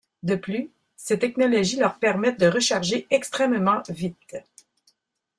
De plus, ces technologies leur permettent de recharger extrêmement vite.